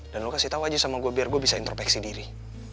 dan lo kasih tahu aja sama gue biar gue bisa intropeksi diri